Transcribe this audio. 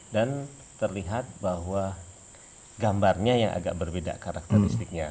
dan terlihat bahwa gambarnya yang agak berbeda karakteristiknya